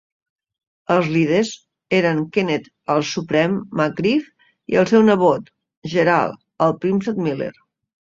Els líders eren Kenneth "el Suprem" McGriff i el seu nebot, Gerald "el Príncep" Miller.